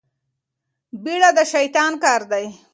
بيړه د شيطان کار دی.